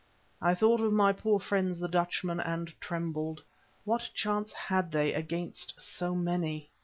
I thought of my poor friends the Dutchmen, and trembled. What chance had they against so many?